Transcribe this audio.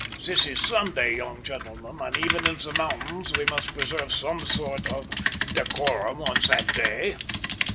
This is Sunday, young gentlemen, and even in the mountains we must preserve some sort of decorum on that day."